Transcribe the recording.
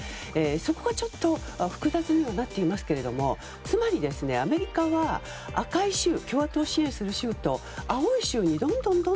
そこがちょっと複雑になってきますがつまり、アメリカは赤い州、共和党を支援する州と青い州にどんどん。